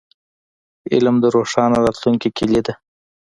علم د روښانه راتلونکي کیلي ده.